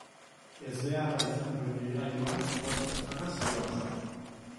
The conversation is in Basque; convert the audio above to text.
Ezbeharra izan duen ibilgailuan bost pertsona zihoazen.